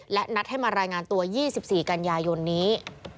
และนัดให้มารายงานตัว๒๔กันยายนนี้